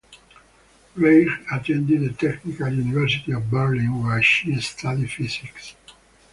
Reich attended the Technical University of Berlin where she studied physics.